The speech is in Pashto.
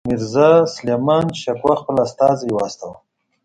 میرزاسلیمان شکوه خپل استازی واستاوه.